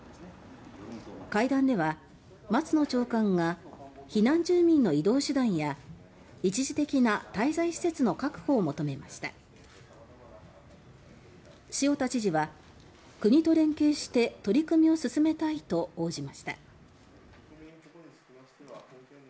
会談では、松野長官が避難住民の移動手段や一時的な滞在施設の確保を求め塩田知事は「国と連携して取り組みを進めたい」と応じました。